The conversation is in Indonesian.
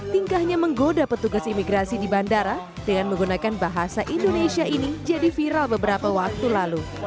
tingkahnya menggoda petugas imigrasi di bandara dengan menggunakan bahasa indonesia ini jadi viral beberapa waktu lalu